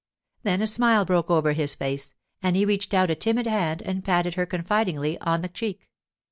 Then a smile broke over his face, and he reached out a timid hand and patted her confidingly on the cheek.